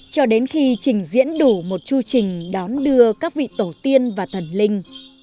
cho đến khi trình diễn đủ một chư trình đón đưa các vị tổ tiên và thần linh